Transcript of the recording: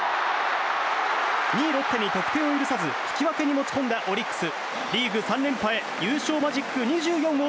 ２位ロッテに得点を許さず引き分けに持ち込んだオリックス。